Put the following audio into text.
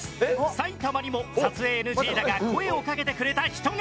埼玉にも撮影ＮＧだが声をかけてくれた人が。